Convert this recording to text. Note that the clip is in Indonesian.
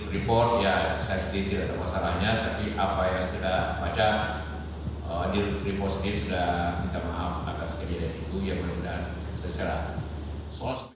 kita baca di repost ini sudah minta maaf atas kejadian itu yang menundang seserah sos